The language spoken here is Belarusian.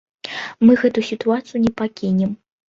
Мы гэту сітуацыю не пакінем!